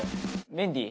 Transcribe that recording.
メンディー。